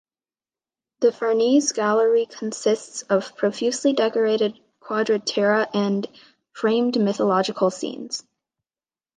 The Farnese Gallery consists of profusely decorated quadratura and framed mythological scenes.